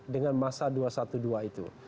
dengan masa dua ratus dua belas itu